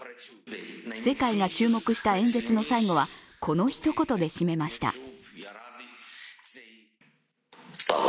世界が注目した演説の最後はこのひと言で締めました。